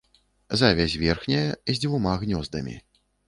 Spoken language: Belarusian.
Завязь верхняя, з двума гнёздамі.